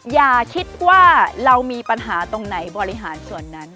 อย่าคิดว่าเรามีปัญหาตรงไหนบริหารส่วนนั้น